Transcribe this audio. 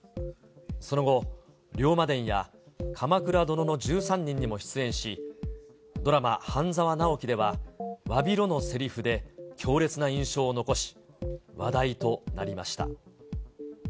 その後、龍馬伝や鎌倉殿の１３人にも出演し、ドラマ、半沢直樹では、わびろのせりふで強烈な印象を残し、話題となりました。